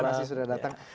terima kasih sudah datang